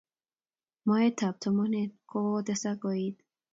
Moet ab tomonet kokokotesek koet.